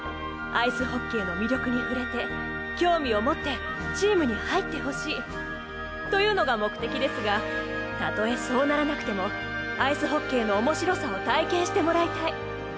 アイスホッケーの魅力に触れて興味を持ってチームに入ってほしい。というのが目的ですがたとえそうならなくてもアイスホッケーのおもしろさを体験してもらいたい。